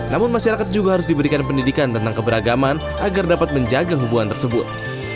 namun masyarakat juga harus diberikan pendidikan tentang keberagaman agar dapat menjaga hubungan tersebut